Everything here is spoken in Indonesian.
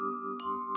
terima kasih yoko